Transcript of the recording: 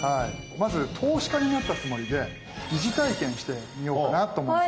まず投資家になったつもりで疑似体験してみようかなと思うんですよね。